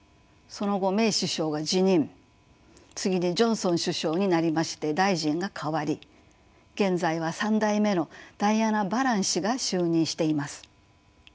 その後メイ首相が辞任次にジョンソン首相になりまして大臣が替わり現在は３代目のダイアナ・バラン氏が就任しています。